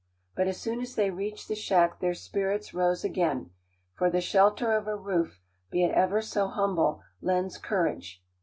But as soon as they reached the shack their spirits rose again, for the shelter of a roof, be it ever so humble, lends courage.